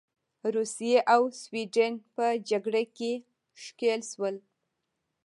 روسیې او سوېډن په جګړه کې ښکیل شول.